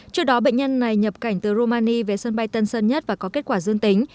trước đó bệnh nhân này nhập cảnh từ romani về sân bay tân sơn nhất và có kết quả dương tính